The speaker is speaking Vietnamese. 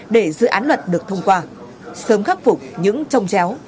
đối với dự án luật được thông qua sớm khắc phục những trông chéo